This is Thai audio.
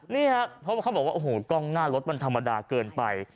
นี่ครับเพราะเขาบอกว่ากล้องหน้ารถมัดาเกินไป